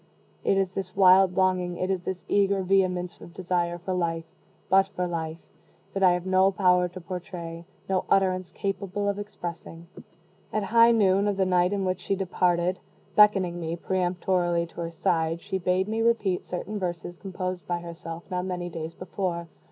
It is this wild longing it is this eager vehemence of desire for life but for life that I have no power to portray no utterance capable of expressing. At high noon of the night in which she departed, beckoning me, peremptorily, to her side, she bade me repeat certain verses composed by herself not many days before.